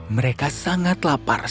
mereka sangat lapar setelah menikmati makanan